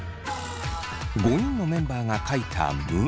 ５人のメンバーが書いた「む」。